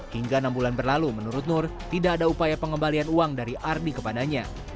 hingga enam bulan berlalu menurut nur tidak ada upaya pengembalian uang dari ardi kepadanya